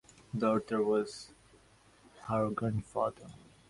The author was her grandfather.